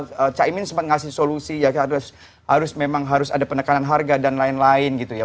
karena caimin sempat ngasih solusi ya harus memang harus ada penekanan harga dan lain lain gitu ya